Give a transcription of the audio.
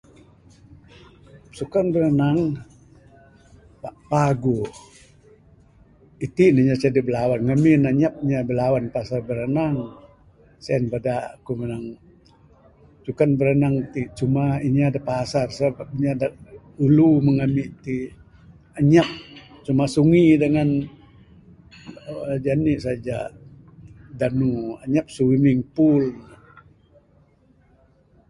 Sukan ranang pak paguh, itin inya ce adeh blawan pak ngamin anyap inya blawan pasal biranang sien bada ku manang sukan biranang ti cuma inya da pasar inya da ulu ami ti anyap cuma sungi dangan jani'k saja. Anyap swimming pool.